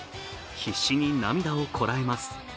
必死に涙をこらえます。